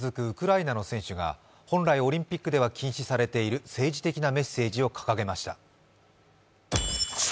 ウクライナの選手が本来オリンピックでは禁止されている政治的なメッセージを掲げました。